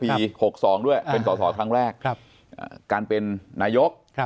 ปีหกสองด้วยเป็นสอสอครั้งแรกครับอ่าการเป็นนายกครับ